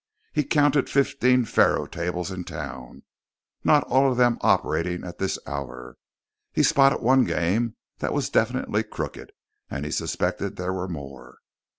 He counted fifteen faro tables in town, not all of them operating at this hour. He spotted one game that was definitely crooked and he suspected there were more.